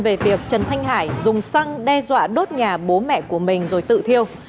về việc trần thanh hải dùng xăng đe dọa đốt nhà bố mẹ của mình rồi tự thiêu